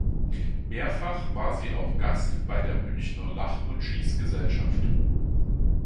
Mehrfach war sie auch Gast bei der Münchner Lach- und Schießgesellschaft.